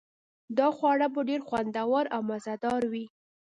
دا خواړه به ډیر خوندور او مزه دار وي